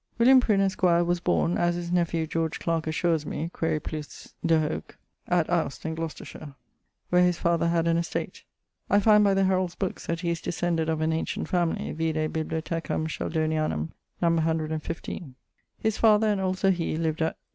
William Prinne[AY], esq., was borne (as his nephew George Clarke assures me: quaere plus de hoc) at Aust in Glocestershire, where his father had an estate. I find by the Heralds' bookes that he is descended of an ancient family (vide Bibliothecam Sheldonianam[AZ], no. 115). His father, and also he, lived at